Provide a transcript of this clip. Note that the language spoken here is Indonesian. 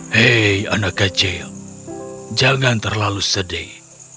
hei anak kecil jangan terlalu sedih